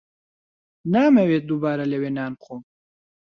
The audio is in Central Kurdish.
نامەوێت دووبارە لەوێ نان بخۆم.